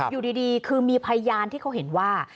อยู่ดีคือมีพยานที่เขาเห็นว่า